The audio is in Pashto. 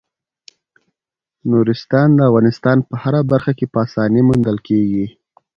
نورستان د افغانستان په هره برخه کې په اسانۍ موندل کېږي.